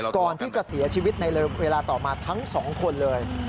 ก่อนที่จะเสียชีวิตในเวลาต่อมาทั้ง๒คนเลย